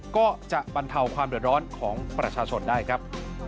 ก็จะบรรเทาความเดือดร้อนของประชาชนได้ครับ